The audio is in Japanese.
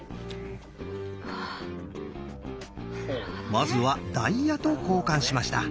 まずはダイヤと交換しました。